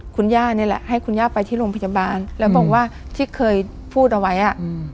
คุณย่านี่แหละให้คุณย่าไปที่โรงพยาบาลแล้วบอกว่าที่เคยพูดเอาไว้อ่ะ